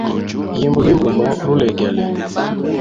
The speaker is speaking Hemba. Yimba lwimbo lumo lulegele.